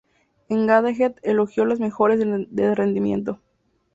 Engadget elogió las mejoras de rendimiento.